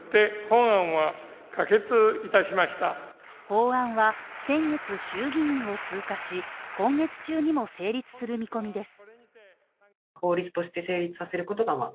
法案は先月衆議院を通過し、今月中にも成立する見込みです。